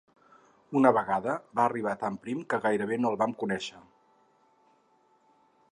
Una vegada va arribar tan prim que gairebé no el vam conèixer.